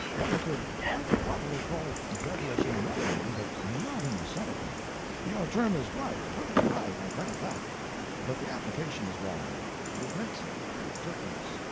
"One could quite properly call it devilish in another man, but not in the Senator. Your term is right—perfectly right—I grant that—but the application is wrong. It makes a great difference.